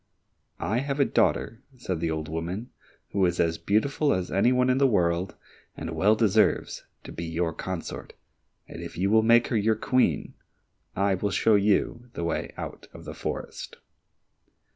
"I have a daughter," said the old woman, "who is as beautiful as any one in the world, and well deserves to be your consort, and if you will make her your Queen, I will show you the way out of the forest."